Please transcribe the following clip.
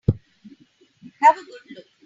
Have a good look.